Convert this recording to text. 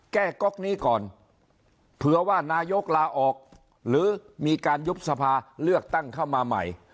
ก๊อกนี้ก่อนเผื่อว่านายกลาออกหรือมีการยุบสภาเลือกตั้งเข้ามาใหม่